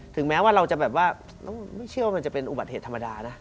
แม้ว่าเราจะแบบว่าไม่เชื่อว่ามันจะเป็นอุบัติเหตุธรรมดานะ